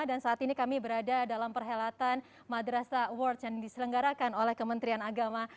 dan saat ini kami berada dalam perhelatan madrasah awards yang diselenggarakan oleh kementerian agama